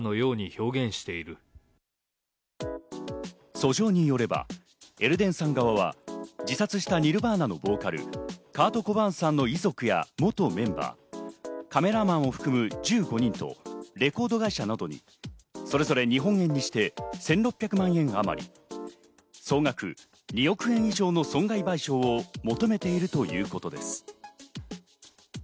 訴状によればエルデンさん側は自殺したニルヴァーナのボーカル、カート・コバーンさんの遺族や元メンバー、カメラマンを含む１５人とレコード会社などにそれぞれ日本円にして１６００万円あまり、総額２億円以上の損害賠償を求めているということです。